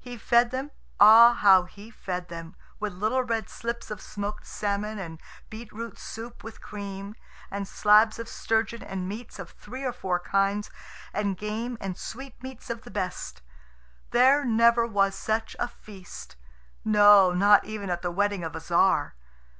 He fed them ah, how he fed them! with little red slips of smoked salmon, and beetroot soup with cream, and slabs of sturgeon, and meats of three or four kinds, and game and sweetmeats of the best. There never was such a feast no, not even at the wedding of a Tzar.